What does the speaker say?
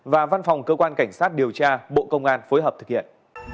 và văn phòng cơ quan cảnh sát điều tra bộ công an phối hợp thực hiện